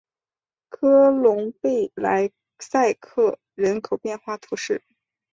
科隆贝莱塞克人口变化图示